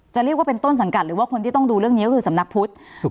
จะเรียกว่าเป็นต้นสังกัดหรือว่าคนที่ต้องดูเรื่องนี้ก็คือสำนักพุทธครับ